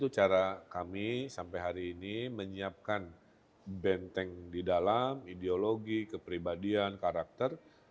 cara kami sampai hari ini menyiapkan benteng di dalam ideologi kepribadian karakter